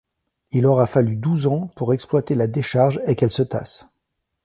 Il aura fallu douze ans pour exploiter la décharge et qu'elle se tasse.